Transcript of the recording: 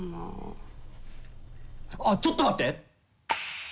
あ、ちょっと待って！